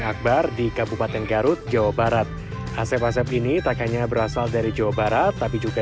akbar di kabupaten garut jawa barat asep asep ini tak hanya berasal dari jawa barat tapi juga